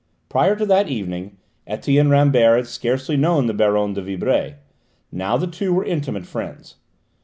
Prior to that event Etienne Rambert had scarcely known the Baronne de Vibray; now the two were intimate friends.